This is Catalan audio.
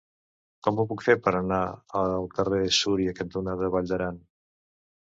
Com ho puc fer per anar al carrer Súria cantonada Vall d'Aran?